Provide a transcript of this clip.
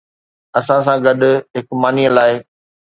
اسان سان گڏ هڪ ماني لاء